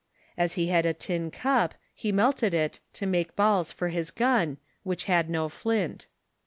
As he had a tin cup, he melted it to make balls for his gun, which had no flint.